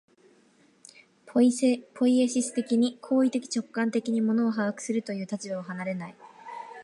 ポイエシス的に、行為的直観的に物を把握するという立場を離れない。